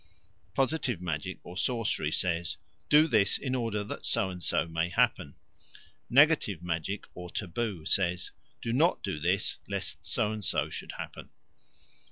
Positive magic or sorcery says, "Do this in order that so and so may happen." Negative magic or taboo says, "Do not do this, lest so and so should happen."